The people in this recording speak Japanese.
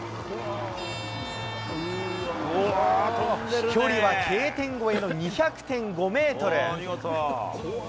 飛距離はＫ点越えの２００．５メートル。